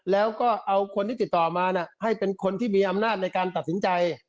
แล้วก็เอาคนที่ติดต่อมาให้เป็นคนที่มีอำนาจในการตัดสินใจ